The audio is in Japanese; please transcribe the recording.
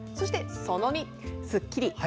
その２「すっきり」。